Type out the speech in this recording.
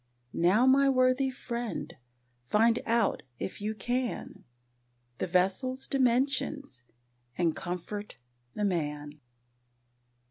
Now my worthy friend, find out, if you can, The vessel's dimensions and comfort the man!